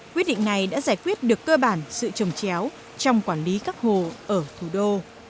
quyết định này đã giải quyết được cơ bản sự trồng chéo trong quản lý các hồ ở thủ đô